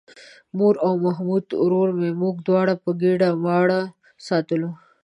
مور او محمود ورور مې موږ دواړه په ګېډه ماړه ساتلو.